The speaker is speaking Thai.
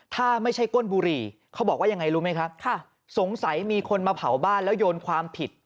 ถ้าไม่ใช่ก้นบุหรี่เขาบอกว่ายังไงรู้ไหมครับสงสัยมีคนมาเผาบ้านแล้วโยนความผิด